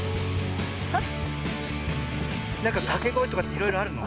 なんかかけごえとかっていろいろあるの？